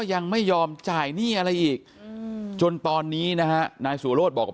ยังไม่ยอมจ่ายหนี้อะไรอีกจนตอนนี้นะฮะนายสุโรธบอก